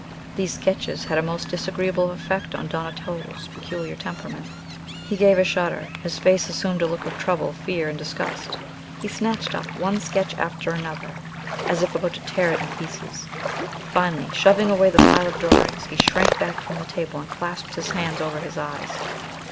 These sketches had a most disagreeable effect on Donatello's peculiar temperament. He gave a shudder; his face assumed a look of trouble, fear, and disgust; he snatched up one sketch after another, as if about to tear it in pieces. Finally, shoving away the pile of drawings, he shrank back from the table and clasped his hands over his eyes.